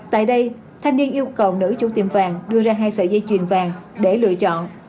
tại đây thanh niên yêu cầu nữ chủ tiệm vàng đưa ra hai sợi dây chuyền vàng để lựa chọn